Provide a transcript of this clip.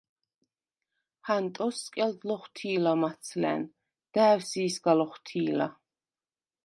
ჰანტოს სკელდ ლოხვთი̄ლა მაცლა̈ნ. და̄̈ვსი̄ სგა ლოხვთი̄ლა.